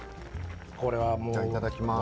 これはもういただきます。